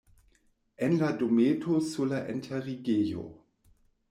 En la dometo sur la enterigejo.